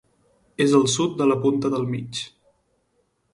És al sud de la Punta del Mig.